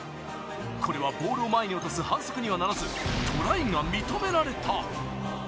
これはボールを前に落とす反則にはならず、トライが認められた。